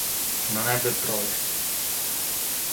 Non ebbe prole.